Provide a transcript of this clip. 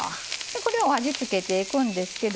これを味付けていくんですけども。